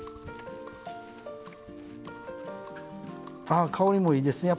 ああ香りもいいですね。